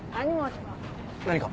何か？